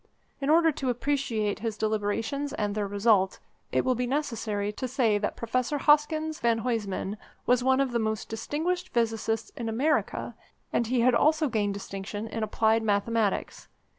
In order to appreciate his deliberations and their result, it will be necessary to say that Professor Hoskins van Huysman was one of the most distinguished physicists in America, and he had also gained distinction in applied mathematics.